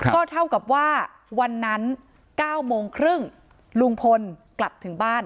ก็เท่ากับว่าวันนั้น๙โมงครึ่งลุงพลกลับถึงบ้าน